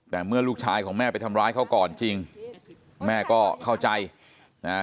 แต่เมื่อลูกชายของแม่ไปทำร้ายเขาก่อนจริงแม่ก็เข้าใจนะฮะ